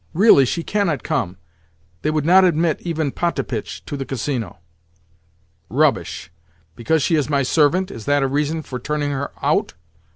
"Really she cannot come. They would not admit even Potapitch to the Casino." "Rubbish! Because she is my servant, is that a reason for turning her out?